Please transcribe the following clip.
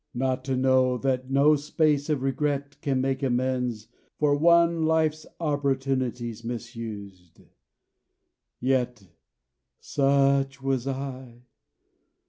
Not to know that no space of regret can make amends for one life's opportunities misused! Yet such was I!